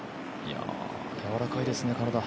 やわらかいですね、体。